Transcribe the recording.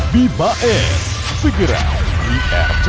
bibae segera di rti